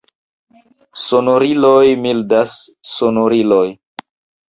Sonoriloj mildaj, sonoriloj!